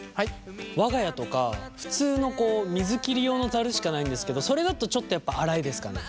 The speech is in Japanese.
我が家とか普通の水切り用のざるしかないんですけどそれだとちょっとやっぱ粗いですかね。